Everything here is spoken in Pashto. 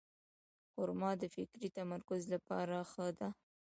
خرما د فکري تمرکز لپاره ښه ده.